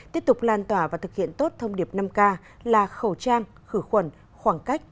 tiếp tục lan tỏa và thực hiện tốt thông điệp năm k là khẩu trang khử khuẩn khoảng cách